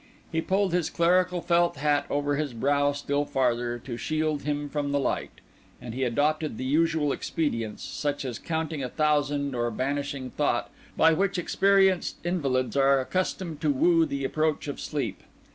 He pulled his clerical felt hat over his brow still farther to shield him from the light; and he adopted the usual expedients, such as counting a thousand or banishing thought, by which experienced invalids are accustomed to woo the approach of sleep.